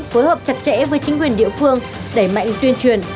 phối hợp chặt chẽ với chính quyền địa phương đẩy mạnh tuyên truyền